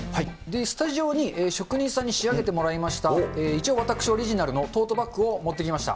スタジオに職人さんに仕上げてもらいました、一応私オリジナルのトートバッグを持ってきました。